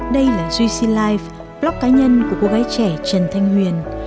đây là gc life blog cá nhân của cô gái trẻ trần thanh huyền